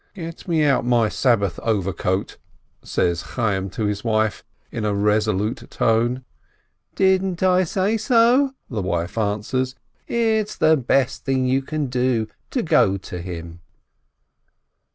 "Give me out my Sabbath overcoat!" says Chayyim to his wife, in a resolute tone. "Didn't I say so?" the wife answers. "It's the best thing you can do, to go to him."